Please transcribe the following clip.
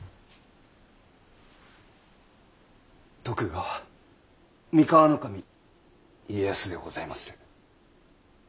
徳川三河守家康でございまする。